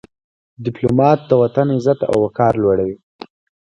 ډيپلومات د وطن عزت او وقار لوړوي.